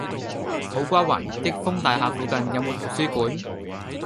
土瓜灣益豐大廈附近有無圖書館？